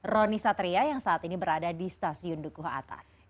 roni satria yang saat ini berada di stasiun dukuh atas